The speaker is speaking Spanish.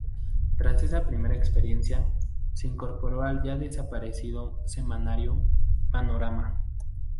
Tras esa primera experiencia, se incorporó al ya desaparecido semanario "Panorama".